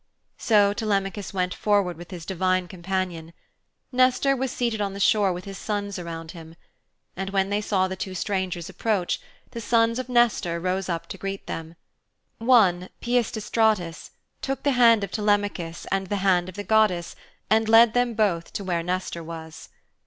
So Telemachus went forward with his divine companion. Nestor was seated on the shore with his sons around him. And when they saw the two strangers approach, the sons of Nestor rose up to greet them. One, Peisistratus, took the hand of Telemachus and the hand of the goddess and led them both to where Nestor was.